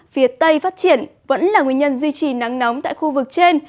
phía tây phát triển vẫn là nguyên nhân duy trì nắng nóng tại khu vực trên